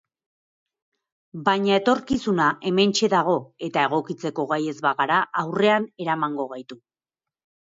Baina etorkizuna hementxe dago eta egokitzeko gai ez bagara aurrean eramango gaitu.